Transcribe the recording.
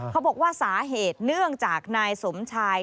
เขาบอกว่าสาเหตุเนื่องจากนายสมชาย